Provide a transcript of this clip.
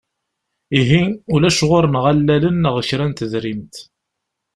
Ihi, ulac ɣur-neɣ allalen neɣ kra n tedrimt.